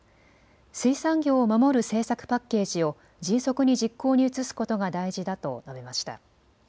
水産業を守る政策パッケージを迅速に実行に移すことが大事だと述べました。